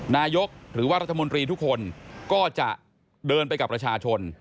นายกหรือว่ารัฐมนตรีทุกคนก็จะเดินไปกับประชาชน